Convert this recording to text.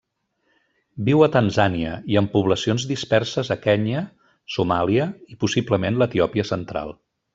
Viu a Tanzània i en poblacions disperses a Kenya, Somàlia i, possiblement, l'Etiòpia central.